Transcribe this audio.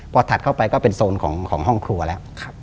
พอถัดเข้าไปก็เป็นโซนของห้องครัวแล้ว